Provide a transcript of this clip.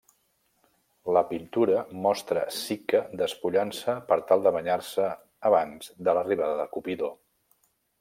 La pintura mostra Psique despullant-se per tal de banyar-se abans de l'arribada de Cupido.